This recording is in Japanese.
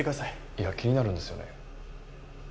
いや気になるんですよね。